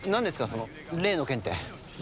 その例の件って。